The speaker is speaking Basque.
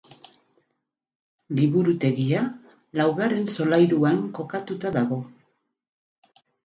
Liburutegia laugarren solairuan kokatuta dago.